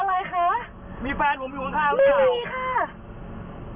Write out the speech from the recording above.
มีแฟนผมอยู่ข้างข้างข้างข้างไม่มีคะ